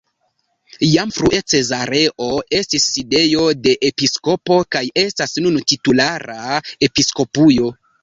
Jam frue Cezareo estis sidejo de episkopo, kaj estas nun titulara episkopujo.